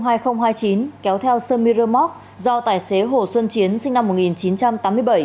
xe ô tô đầu kéo biển số tám mươi tám c hai nghìn hai mươi chín kéo theo sân miramont do tài xế hồ xuân chiến sinh năm một nghìn chín trăm tám mươi bảy